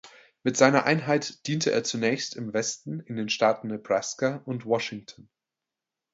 Mit seiner Einheit diente er zunächst im Westen in den Staaten Nebraska und Washington.